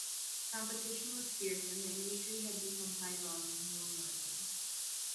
Competition was fierce and the industry had become high volume, low margin.